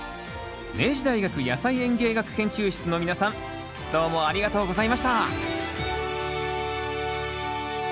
明治大学野菜園芸学研究室の皆さんどうもありがとうございました！